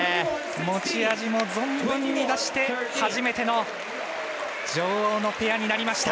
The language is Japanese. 持ち味も存分に出して初めての女王のペアになりました。